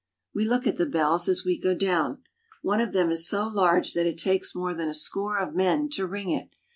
We look at the bells as we go down. One of them is so large that it takes more than a score of men to ring it.